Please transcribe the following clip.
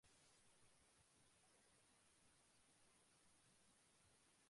তার চুল কালো রঙের এবং সে একটি অলস বালক।